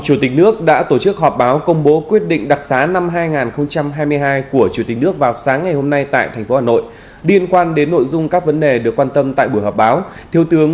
hội thi sẽ diễn ra đến hết ngày sáu tháng bảy